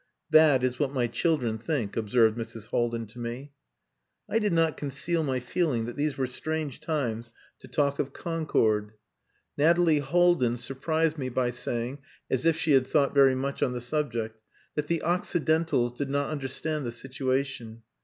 "That is what my children think," observed Mrs. Haldin to me. I did not conceal my feeling that these were strange times to talk of concord. Nathalie Haldin surprised me by saying, as if she had thought very much on the subject, that the occidentals did not understand the situation.